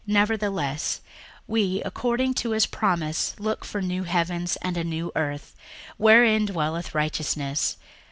61:003:013 Nevertheless we, according to his promise, look for new heavens and a new earth, wherein dwelleth righteousness.